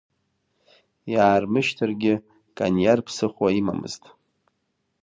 Иаармышьҭыргьы, Кониар ԥсыхәа имамызт.